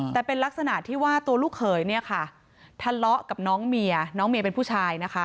แต่เป็นลักษณะที่ว่าตัวลูกเขยเนี่ยค่ะทะเลาะกับน้องเมียน้องเมียเป็นผู้ชายนะคะ